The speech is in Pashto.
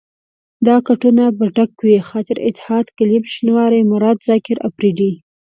دا کټونه به ډک وو، خاطر، اتحاد، کلیم شینواری، مراد، زاکر اپرېدی.